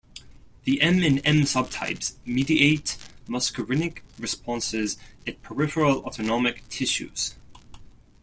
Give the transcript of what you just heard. The M and M subtypes mediate muscarinic responses at peripheral autonomic tissues.